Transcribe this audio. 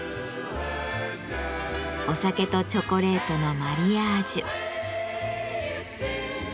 お酒とチョコレートのマリアージュ。